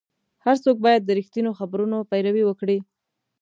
هر څوک باید د رښتینو خبرونو پیروي وکړي.